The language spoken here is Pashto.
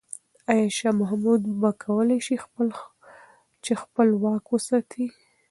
آیا شاه محمود به وکولای شي چې خپل واک وساتي؟